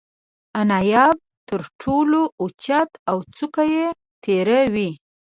انیاب تر ټولو اوچت او څوکه یې تیره وي.